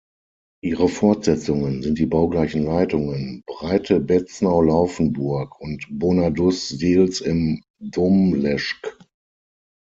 Ihre Fortsetzungen sind die baugleichen Leitungen Breite-Beznau-Laufenburg und Bonaduz-Sils im Domleschg.